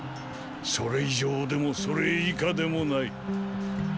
それ以上でもそれ以下でもない。